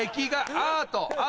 アート。